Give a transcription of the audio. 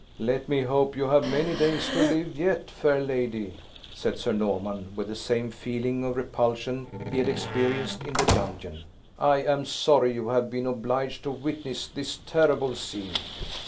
"Let me hope you have many days to live yet, fair lady," said Sir Norman, with the same feeling of repulsion he had experienced in the dungeon. "I am sorry you have been obliged to witness this terrible scene."